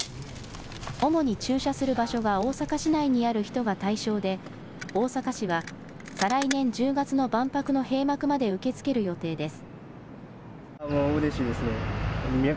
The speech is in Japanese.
主に駐車する場所が大阪市内にある人が対象で大阪市は再来年１０月の万博の閉幕まで受け付ける予定です。